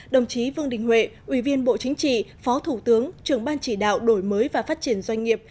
đồng chí vương đình huệ ủy viên bộ chính trị phó thủ tướng trưởng ban chỉ đạo đổi mới và phát triển doanh nghiệp